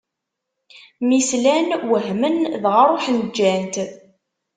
Mi slan, wehmen, dɣa ṛuḥen ǧǧan-t.